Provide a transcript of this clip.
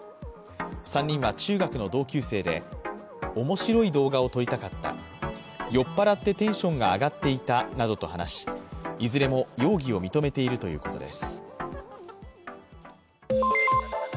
３人は中学の同級生で、面白い動画を撮りたかった、酔っ払ってテンションが上がっていたなどと話しいずれも容疑を認めているということです。